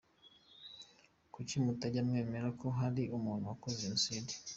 Kuki mutajya mwemera ko hari umuntu wakoze jenoside??